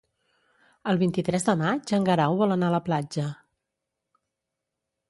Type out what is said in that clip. El vint-i-tres de maig en Guerau vol anar a la platja.